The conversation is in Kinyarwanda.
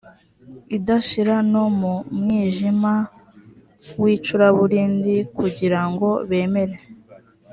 idashira no mu mwijima w icuraburindi kugira ngo bemere